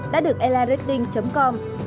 đã được airlinerating com đăng ký